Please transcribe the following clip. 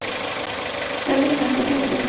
Se habla de la nostalgia de una persona.